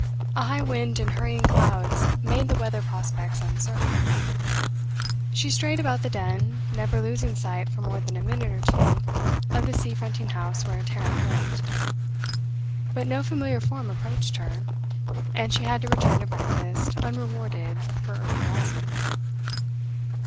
A high wind and hurrying clouds made the weather prospects uncertain. She strayed about the Den, never losing sight for more than a minute or two of the sea fronting house where Tarrant lived. But no familiar form approached her, and she had to return to breakfast unrewarded for early rising.